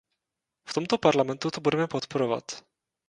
V tomto Parlamentu to budeme podporovat.